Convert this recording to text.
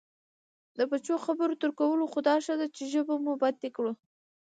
د پوچو خبرو تر کولو خو دا ښه دی چې ژبه مو بندي کړو